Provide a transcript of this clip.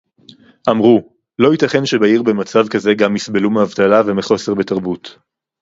אמרו: לא ייתכן שבעיר במצב כזה גם יסבלו מאבטלה ומחוסר בתרבות